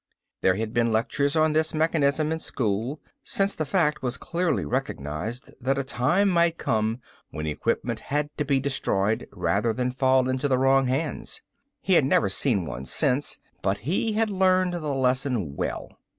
There had been lectures on this mechanism in school, since the fact was clearly recognized that a time might come when equipment had to be destroyed rather than fall into the wrong hands. He had never seen one since, but he had learned the lesson well.